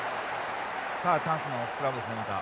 さあチャンスのスクラムですねまた。